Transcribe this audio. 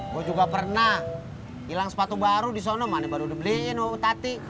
gue juga pernah hilang sepatu baru di sana mana baru dibeliin oh tadi